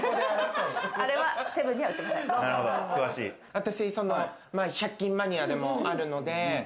私１００均マニアでもあるので。